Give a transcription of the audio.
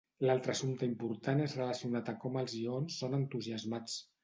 L'altre l'assumpte important és relacionat a com els ions són entusiasmats.